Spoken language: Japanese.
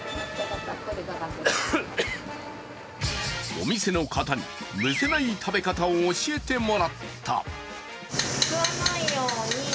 お店の方に、むせない食べ方を教えてもらった。